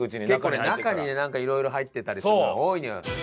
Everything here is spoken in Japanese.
結構ね中にねなんかいろいろ入ってたりするのが多いのよ。